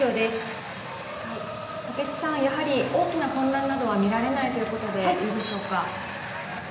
やはり大きな混乱などは見られないということでいいでしょうか？